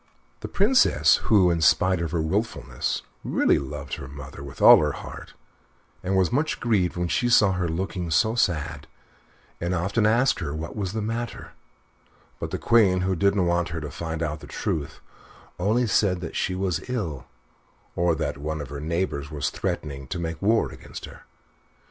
The Princess, who, in spite of her wilfulness, really loved her mother with all her heart, was much grieved when she saw her looking so sad, and often asked her what was the matter; but the Queen, who didn't want her to find out the truth, only said that she was ill, or that one of her neighbors was threatening to make war against her.